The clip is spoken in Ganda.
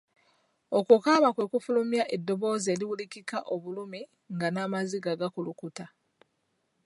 Okukaaba kwe kufulumya eddoboozi eriwulikikamu obulumi nga n'amaziga gakulukuta.